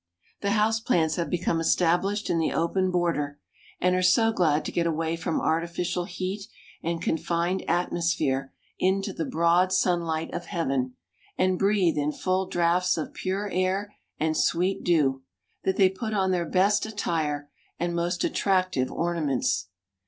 The house plants have become established in the open border, and are so glad to get away from artificial heat and confined atmosphere into the broad sunlight of heaven, and breathe in full draughts of pure air and sweet dew, that they put on their best attire, and most attractive ornaments.